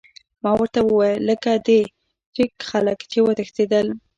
ما ورته وویل: لکه د چیک خلک، چې وتښتېدل.